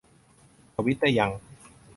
ทวิตเตอร์ยัง